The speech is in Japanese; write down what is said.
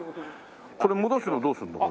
これ戻すのどうするの？